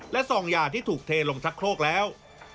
และซองยาที่ถูกเทลงชักโครกแล้ว